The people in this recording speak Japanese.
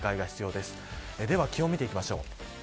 では気温、見ていきましょう。